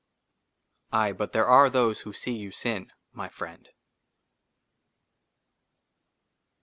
AYE, BUT THERE ARE THOSE WHO SEE YOU SIN, MY FRIEND.